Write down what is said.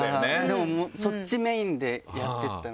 でもそっちメインでやっていったので。